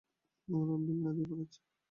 ওরা বিল না দিয়ে পালাচ্ছে!